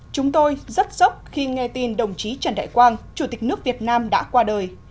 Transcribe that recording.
chúng tôi rất sốc khi nghe tin đồng chí trần đại quang chủ tịch nước việt nam đã qua đời